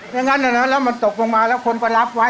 อย่างนั้นแล้วมันตกลงมาแล้วคนก็รับไว้